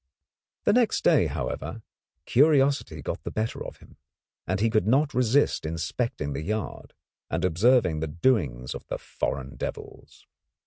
The next day, however, curiosity got the better of him, and he could not resist inspecting the yard, and observing the doings of the foreign devils.